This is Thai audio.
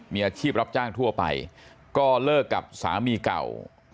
มีอาชีพรับจ้างทั่วไปก็เลิกกับสามีเก่า